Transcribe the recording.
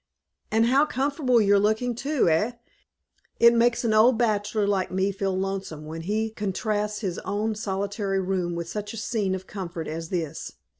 "And how comfortable you're looking too, eh! It makes an old bachelor, like me, feel lonesome when he contrasts his own solitary room with such a scene of comfort as this.